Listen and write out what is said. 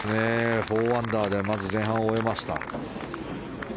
４アンダーでまず前半を終えました。